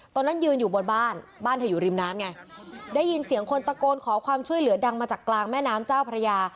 ตอนนั้นยืนอยู่บนบ้านบ้านเธออยู่ริมน้ำไงได้ยินเสียงคนตะโกนขอความช่วยเหลือดังมาจากกลางแม่น้ำเจ้าพระยา